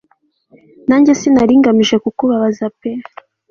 nanjye sinaringamije kukubabaza pe